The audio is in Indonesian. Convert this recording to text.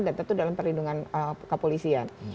dan tentu dalam perlindungan kapolisian